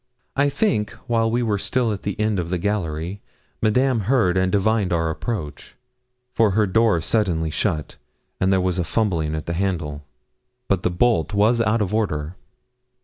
I think, while we were still at the end of the gallery, Madame heard and divined our approach, for her door suddenly shut, and there was a fumbling at the handle. But the bolt was out of order.